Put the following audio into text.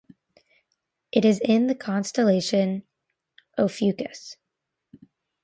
It is in the constellation Ophiuchus.